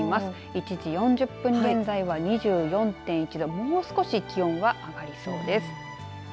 １時４０分現在は２４．１度もう少し気温は上がりそうです。